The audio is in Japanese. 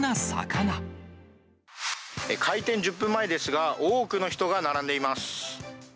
開店１０分前ですが、多くの人が並んでいます。